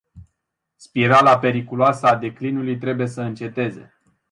Spirala periculoasă a declinului trebuie să înceteze.